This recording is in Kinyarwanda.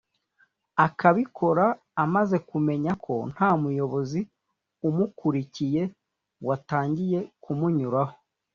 Akabikora amaze kumenya ko nta muyobozi umukurikiye watangiye kumunyuraho